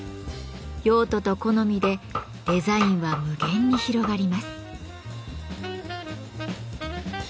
用途と好みでデザインは無限に広がります。